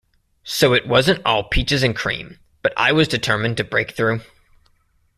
So it wasn't all peaches and cream, but I was determined to break through.